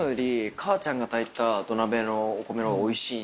母ちゃんが炊いた土鍋のお米のほうがおいしいんですよね。